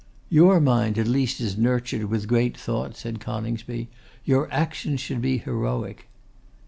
'Your mind at least is nurtured with great thoughts,' said Coningsby; 'your actions should be heroic.